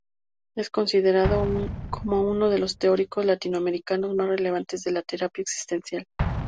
Es considerado como uno de los teóricos latinoamericanos más relevantes de la terapia existencial.